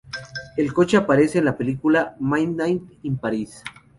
El coche aparece en la película "Midnight in Paris".